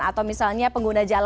atau misalnya pengguna jalur